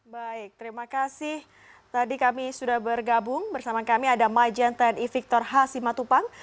baik terima kasih tadi kami sudah bergabung bersama kami ada majen tni victor hasimatupang